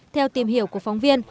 theo tìm hiểu của phóng viên